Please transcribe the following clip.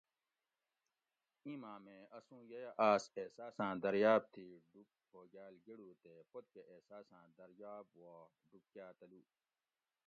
ایں مامے اسوں ییہ آس احساساں دریاب تی ڈوب ہوگال گڑو تے پتکہ احساساں دریاب وا ڈوب کا تلو